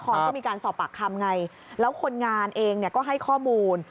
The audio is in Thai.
ก็มีการสอบปากคำไงแล้วคนงานเองก็ให้ข้อมูล